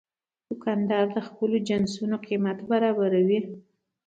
دوکاندار د خپلو جنسونو قیمت برابر کوي.